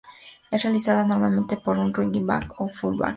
Es realizada normalmente por un running back o un fullback.